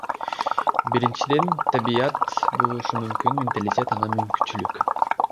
Биринчиден, табият болушу мүмкүн, менталитет, анан мүмкүнчүлүк.